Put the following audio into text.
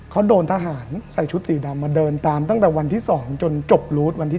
เขาโดนทหารใส่ชุดสีดำมาเดินตามตั้งแต่วันที่๒จนจบรูดวันที่๑